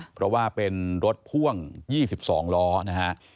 เพราะว่าเป็นรถพ่วง๒๒ล้อนะฮะ